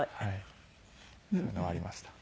そういうのはありました。